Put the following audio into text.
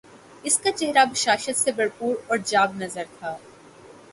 اس کا چہرہ بشاشت سے بھر پور اور جاب نظر تھا